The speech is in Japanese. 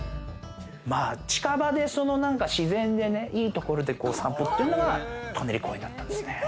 近場で自然でいいところで散歩っていうのは舎人公園だったんですね。